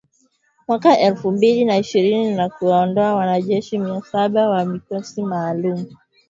mwaka elfu mbili na ishirini wa kuwaondoa wanajeshi mia saba wa kikosi maalum ambao walikuwa wametumwa Somalia